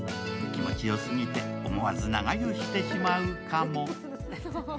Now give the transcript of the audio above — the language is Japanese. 気持ち良すぎて思わず長湯してしまうかも。